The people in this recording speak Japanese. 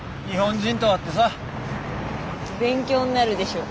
勉強になるでしょ。